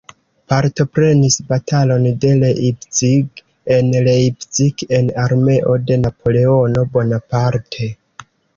Partoprenis batalon de Leipzig en Leipzig en armeo de Napoleono Bonaparte.